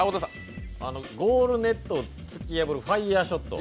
ゴールネットを突き破るファイヤーショット。